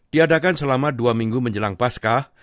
diadakan selama dua minggu menjelang paskah